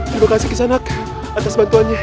terima kasih kisah anak atas bantuannya